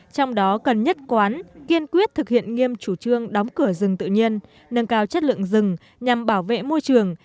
trong đó cần nhất quán kiên quyết thực hiện nghiêm chủ trương đóng cửa rừng tự nhiên nâng cao chất lượng rừng nhằm bảo vệ môi trường